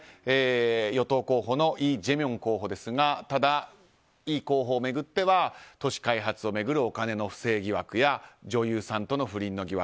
与党候補のイ・ジェミョン候補ですがただ、イ候補を巡っては都市開発を巡るお金の不正疑惑や女優さんとの不倫の疑惑。